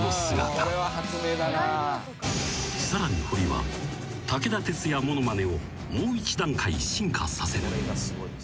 ［さらにホリは武田鉄矢ものまねをもう一段階進化させる］